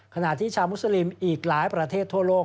ขณะที่ชาวมุสลิมอีกหลายประเทศทั่วโลก